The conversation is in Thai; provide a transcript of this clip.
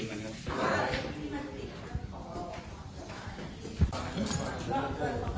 เป็นสงสัยแล้วนะครับ